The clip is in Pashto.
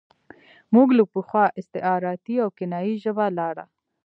موږ له پخوا استعارتي او کنايي ژبه لاره.